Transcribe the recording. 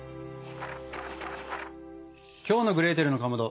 きょうの「グレーテルのかまど」